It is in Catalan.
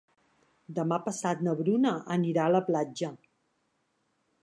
Demà passat na Bruna anirà a la platja.